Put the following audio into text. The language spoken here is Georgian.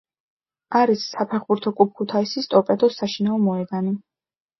არის საფეხბურთო კლუბ ქუთაისის ტორპედოს საშინაო მოედანი.